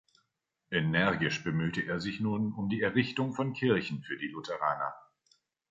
Energisch bemühte er sich nun um die Errichtung von Kirchen für die Lutheraner.